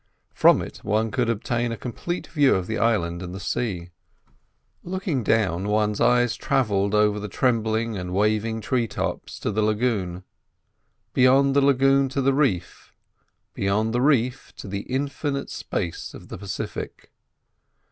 From it one could obtain a complete view of the island and the sea. Looking down, one's eye travelled over the trembling and waving tree tops, to the lagoon; beyond the lagoon to the reef, beyond the reef to the infinite space of the Pacific.